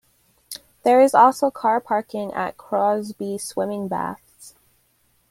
There is also car parking at Crosby Swimming Baths.